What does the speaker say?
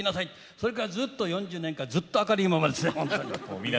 それからずっと４０年間明るいままです。